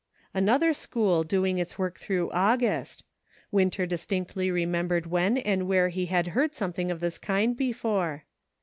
Another school doing its work through August. 124 ENERGY AND FORCE. Winter distinctly remembered when and where he had heard something of this kind before.